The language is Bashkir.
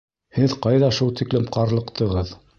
Һеҙ ҡайҙа шул тиклем ҡарлыҡтығыҙ?